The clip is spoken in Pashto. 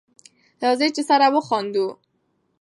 راځی چی سره وخاندو